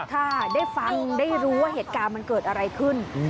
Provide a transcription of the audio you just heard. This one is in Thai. ถ้าได้ฟังได้รู้ว่าเหตุการณ์มันเกิดอะไรขึ้น